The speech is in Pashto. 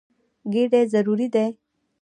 ګېډې ضروري دي.